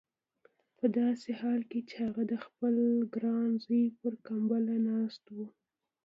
په داسې حال کې چې هغه د خپل ګران زوی پر کمبله ناست و.